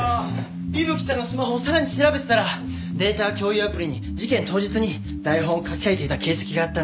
伊吹さんのスマホをさらに調べてたらデータ共有アプリに事件当日に台本を書き換えていた形跡があったんですよ。